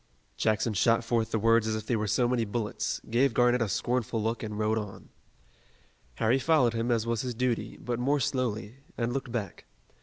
Jackson shot forth the words as if they were so many bullets, gave Garnett a scornful look and rode on. Harry followed him, as was his duty, but more slowly, and looked back.